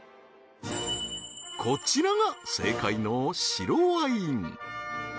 こちらが正解の白ワイン